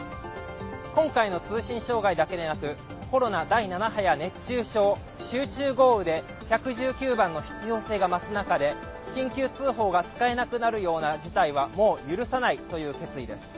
今回の通信障害だけでなくコロナ第７波や熱中症、集中豪雨で１１９番の必要性が増す中で緊急通報が使えなくなるような事態はもう許さないという決意です。